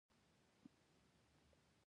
د آزادی لپاره وجنګېږی.